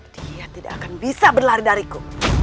dia tidak akan bisa berlari dariku